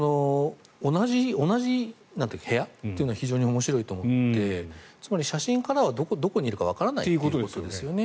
同じ部屋というのは非常に面白いと思ってつまり、写真からはどこにいるかわからないということですね。